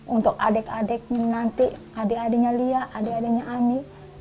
untuk adik adiknya nanti adik adiknya lia adik adiknya ani